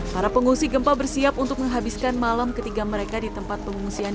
para pengungsi gempa bersiap untuk menghabiskan malam ketiga mereka di tempat pengungsian